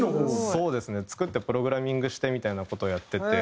そうですね作ってプログラミングしてみたいな事をやってて。